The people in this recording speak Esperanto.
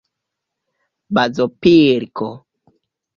bazopilko